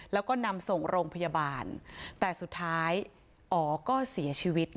แล้วก็นำส่งโรงพยาบาลแต่สุดท้ายอ๋อก็เสียชีวิต